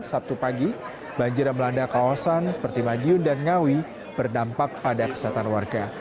sabtu pagi banjir yang melanda kawasan seperti madiun dan ngawi berdampak pada kesehatan warga